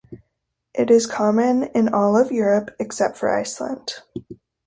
It is common in all of Europe, except for Iceland.